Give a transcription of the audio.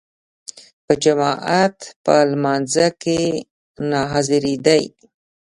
په جماعت په لمانځه کې نه حاضرېدی.